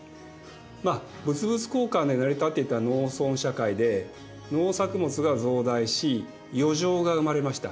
まあ物々交換で成り立っていた農村社会で農作物が増大し余剰が生まれました。